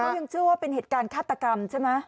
เขายังเชื่อว่าเป็นเหตุการณ์ฆาตกรรมใช่ไหม